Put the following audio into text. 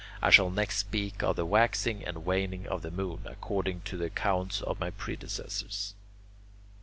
I shall next speak of the waxing and waning of the moon, according to the accounts of my predecessors.